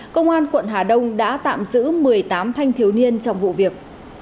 công an quận hà đông đã tạm giữ một mươi tám thanh thiếu niên trong vụ việc